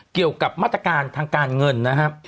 เกี่ยวกับมาตรการทางการเงินนะครับ